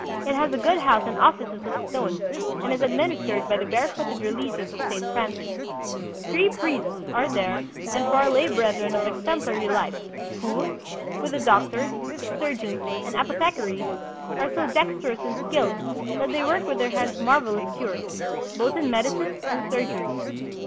It has a good house and offices of stone, and is administered by the barefooted religious of Saint Francis. Three priests are there and four lay brethren of exemplary life, who, with the doctors, surgeons, and apothecaries, are so dex terous and skilled that they work with their hands mar velous cures, both in medicine and surgery."